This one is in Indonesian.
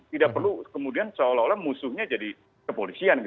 tidak perlu kemudian seolah olah musuhnya jadi kepolisian